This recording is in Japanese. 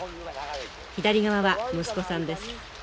左側は息子さんです。